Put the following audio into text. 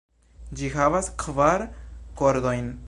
Ĝi havas kvar kordojn.